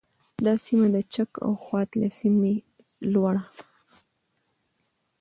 دا سیمه د چک او خوات له سیمې لوړه